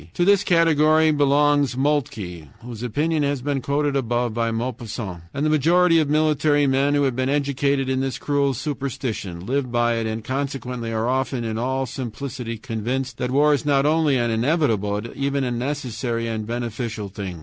To this category belongs Moltke, whose opinion has been quoted above by Maupassant, and the majority of military men, who have been educated in this cruel superstition, live by it, and consequently are often in all simplicity convinced that war is not only an inevitable, but even a necessary and beneficial thing.